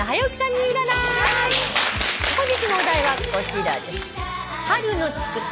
本日のお題はこちらです。